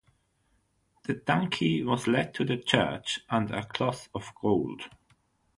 The donkey was led to the church under a cloth of gold.